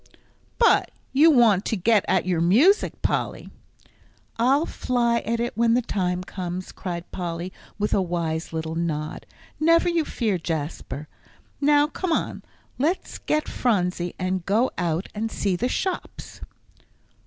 "But you want to get at your music, Polly." "I'll fly at it when the time comes," cried Polly, with a wise little nod, "never you fear, Jasper. Now come on; let's get Phronsie and go out and see the shops."